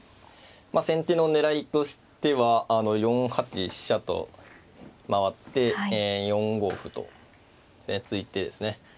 先手の狙いとしては４八飛車と回って４五歩と突いてですね